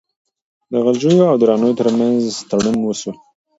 د غلجیو او درانیو ترمنځ تړون وسو.